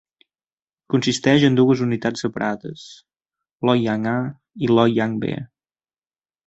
Consisteix en dues unitats separades, Loy Yang A i Loy Yang B.